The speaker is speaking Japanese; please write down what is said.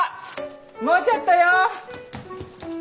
もうちょっとよ！